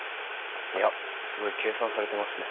いやすごい計算されてますね。